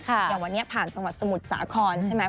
อย่างวันนี้ผ่านสมุดสาคอนใช่ไหม